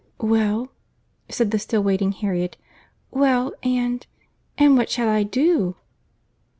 "Well," said the still waiting Harriet;—"well—and—and what shall I do?"